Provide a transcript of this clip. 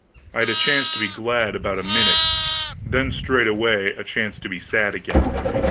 I had a chance to be glad about a minute, then straightway a chance to be sad again.